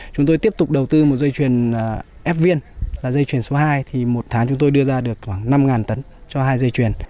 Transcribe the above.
chúng tôi tiếp tục đầu tư một dây chuyền ép viên là dây chuyển số hai thì một tháng chúng tôi đưa ra được khoảng năm tấn cho hai dây chuyền